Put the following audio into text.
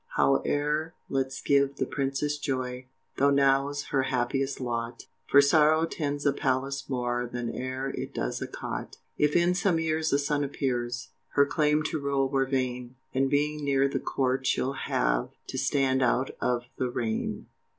Howe'er let's give the Princess joy, Though now's her happiest lot, For sorrow tends a palace more Than e'er it does a cot! If in some years a son appears, Her claim to rule were vain, And being near the court she'll have To stand out of the REIGN!